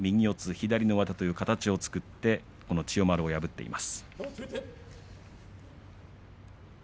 左の上手という形を作って千代丸を破っています。